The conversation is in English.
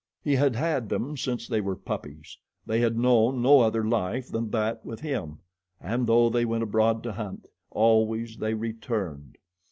He had had them since they were puppies. They had known no other life than that with him, and though they went abroad to hunt, always they returned.